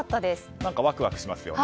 何か、ワクワクしますよね。